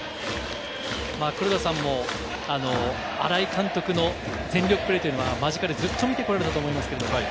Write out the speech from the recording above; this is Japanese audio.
黒田さんも新井監督の全力プレーというのは間近でずっと見てこられたと思います。